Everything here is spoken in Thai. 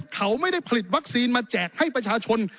เขาไม่ได้ผลิตวัคซีนมาแจกให้ประชาชน